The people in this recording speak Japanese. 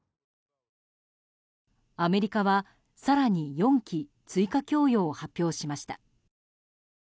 アメリカは更に４基追加供与を発表しました。